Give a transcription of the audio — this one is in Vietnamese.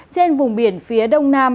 trên vùng biển phía đông nam